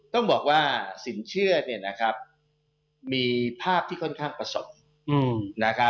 ต้องบอกว่าสินเชื่อมีภาพที่ค่อนข้างผสม